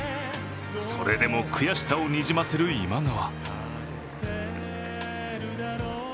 それでも悔しさをにじませる今川。